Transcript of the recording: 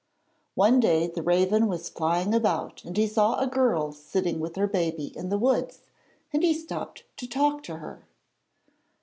One day the Raven was flying about, and he saw a girl sitting with her baby in the woods, and he stopped to talk to her.